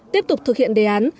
tiếp tục thực hiện đề án